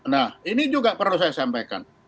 nah ini juga perlu saya sampaikan